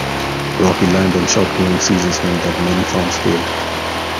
Rocky land and short growing seasons meant that many farms failed.